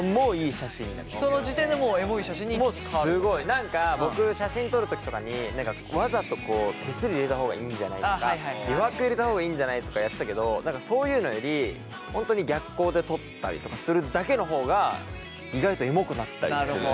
何か僕写真撮る時とかに何かわざと手すり入れた方がいいんじゃないとか余白入れた方がいいんじゃないとかやってたけど何かそういうのより本当に逆光で撮ったりとかするだけの方が意外とエモくなったりするね。